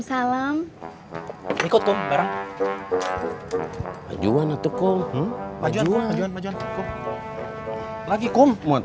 ini gimana jalannya kum